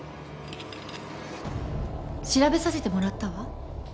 調べさせてもらったわ。